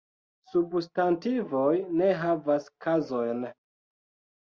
Substantivoj ne havas kazojn.